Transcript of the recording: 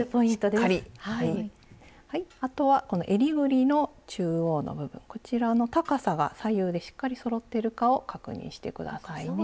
あとはこのえりぐりの中央の部分こちらの高さが左右でしっかりそろっているかを確認して下さいね。